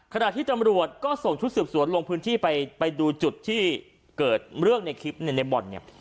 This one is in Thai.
ขณะที่ตำรวจก็ส่งชุดสืบสวนลงพื้นที่ไปดูจุดที่เกิดเรื่องในคลิปในบ่อนเนี่ย